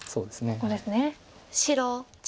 ここですね。